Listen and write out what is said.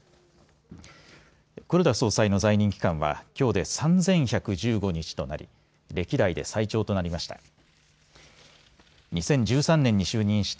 黒田総裁の在任期間はきょうで３１１５日となり歴代で最長となりました。